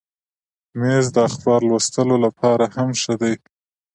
مېز د اخبار لوستلو لپاره هم ښه دی.